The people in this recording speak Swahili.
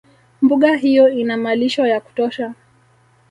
Mbuga hiyo ina malisho ya kutosha